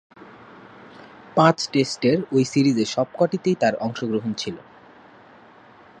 পাঁচ টেস্টের ঐ সিরিজের সবকটিতেই তার অংশগ্রহণ ছিল।